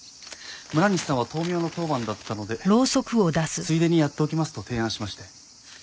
村西さんは灯明の当番だったのでついでにやっておきますと提案しまして。